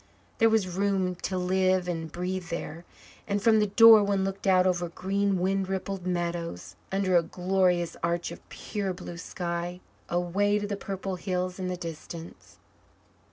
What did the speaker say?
There was room to live and breathe there, and from the door one looked out over green wind rippled meadows, under a glorious arch of pure blue sky, away to the purple hills in the distance.